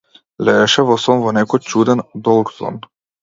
Лежеше во сон, во некој чуден, долг сон.